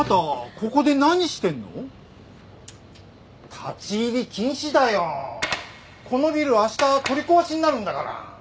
このビルあした取り壊しになるんだから。